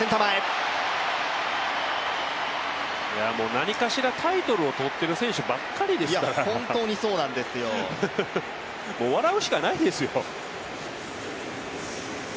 何かしらタイトルを取っている選手ばっかりですからもう笑うしかないですよ。